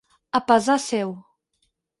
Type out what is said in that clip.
A pesar seu.